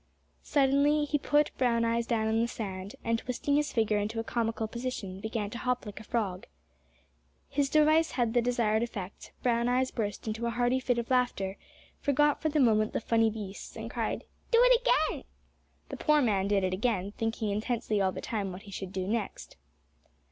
Suddenly he put Brown eyes down on the sand, and, twisting his figure into a comical position, began to hop like a frog. His device had the desired effect; Brown eyes burst into a hearty fit of laughter, forgot for the moment the "funny beasts," and cried, "Do it agin!" The poor man did it again, thinking intensely all the time what he should do next.